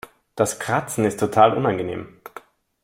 Das Kratzen ist total unangenehm.